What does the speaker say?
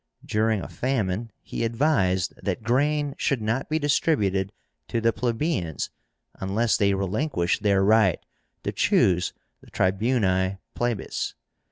During a famine, he advised that grain should not be distributed to the plebeians unless they relinquished their right to choose the Tribúni Plebis.